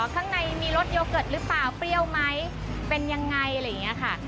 ข้างในมีรสโยเกิร์ตหรือเปล่าเปรี้ยวไหมเป็นยังไงอะไรอย่างนี้ค่ะ